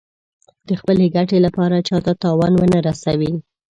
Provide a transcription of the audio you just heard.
د خپلې ګټې لپاره چا ته تاوان ونه رسوي.